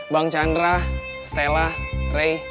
bang chandra stella rey